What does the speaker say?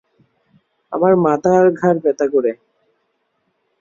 আমার মাথা আর ঘাড় ব্যথা করে।